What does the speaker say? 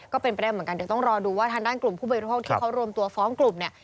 ก็เป็นไปได้เหมือนกันเดี๋ยวต้องรอดูว่าทางด้านกลุ่มผู้บริโภคที่เขารวมตัวฟ้องกลุ่มเนี่ย